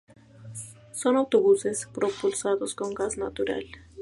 Son autobuses propulsados con Gas Natural.